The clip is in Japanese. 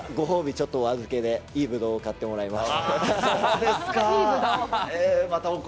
ちょっとお預けで、いいぶどうを買ってもらいます。